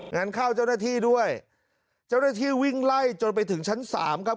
งั้นเข้าเจ้าหน้าที่ด้วยเจ้าหน้าที่วิ่งไล่จนไปถึงชั้นสามครับ